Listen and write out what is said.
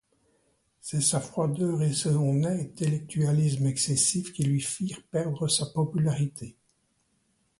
C'est sa froideur et son intellectualisme excessif qui lui firent perdre sa popularité.